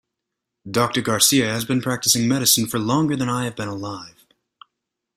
Doctor Garcia has been practicing medicine for longer than I have been alive.